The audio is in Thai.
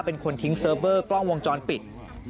เป็นคนทิ้งเซิร์ฟเวอร์กล้องวงจรปิด